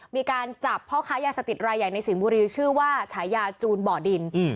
มีการจับพ่อค้ายาเสพติดรายใหญ่ในสิงห์บุรีชื่อว่าฉายาจูนบ่อดิน